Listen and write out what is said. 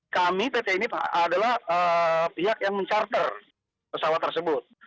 kami pt imip adalah pihak yang mencarter pesawat tersebut